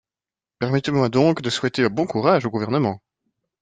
Permettez-moi donc de souhaiter bon courage au Gouvernement.